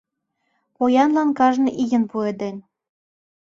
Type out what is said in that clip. Поянлан кажне ийын пуэден.